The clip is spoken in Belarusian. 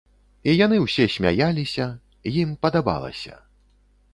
І яны ўсе смяяліся, ім падабалася.